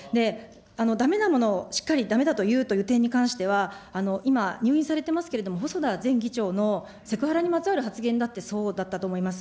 だめなものをしっかりだめだと言う点に関しては、今、入院されてますけれども、細田前議長のセクハラにまつわる発言だってそうだったと思います。